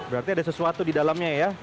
berarti ada sesuatu di dalamnya ya